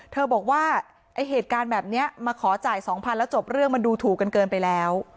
บอกว่าไอ้เหตุการณ์แบบนี้มาขอจ่าย๒๐๐๐แล้วจบเรื่องมันดูถูกกันเกินไปแล้ว